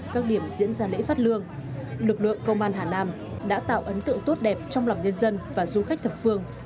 các điểm diễn ra lễ phát lương lực lượng công an hà nam đã tạo ấn tượng tốt đẹp trong lòng nhân dân và du khách thập phương